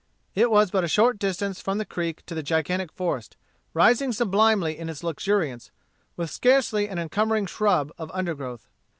It was but a short distance from the creek to the gigantic forest, rising sublimely in its luxuriance, with scarcely an encumbering shrub of undergrowth.